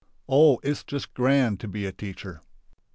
Oh, it's just grand to be a teacher!